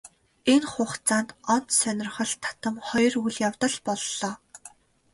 Энэ хугацаанд онц сонирхол татам хоёр үйл явдал боллоо.